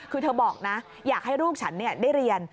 คือเธอบอกนะอยากให้ลูกฉันได้เรียน